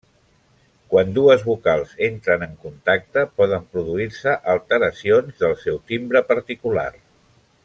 Quan dues vocals entren en contacte poden produir-se alteracions del seu timbre particular.